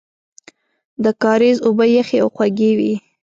د کاریز اوبه یخې او خوږې وې.